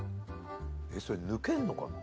それ抜けんのかな？